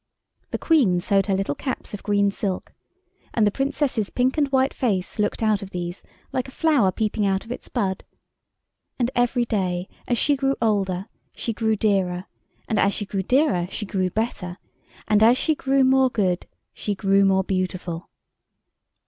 The Queen sewed her little caps of green silk, and the Princess's pink and white face looked out of these like a flower peeping out of its bud. And every day as she grew older she grew dearer, and as she grew dearer she grew better, and as she grew more good she grew more beautiful.